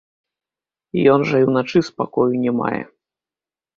Ён жа і ўначы спакою не мае.